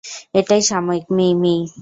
এটা সাময়িক, মেই-মেই।